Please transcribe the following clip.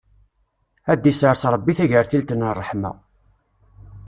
Ad d-issers Ṛebbi tagertilt n ṛṛeḥma!